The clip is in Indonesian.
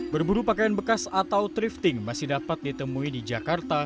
berburu pakaian bekas atau thrifting masih dapat ditemui di jakarta